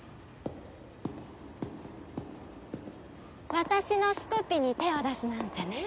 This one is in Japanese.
私のすこピに手を出すなんてね。